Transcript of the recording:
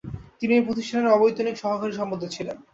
তিনি এই প্রতিষ্ঠানের অবৈতনিক সহকারী সম্পাদক ছিলেন ।